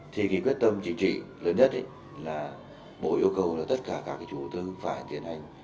thì quyết tâm chỉ trị lớn nhất là bộ yêu cầu tất cả các chủ tư phải tiến hành